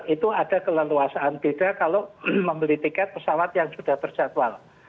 itu ada keleluasaan beda kalau membeli tiket pesawat yang sudah terjadwal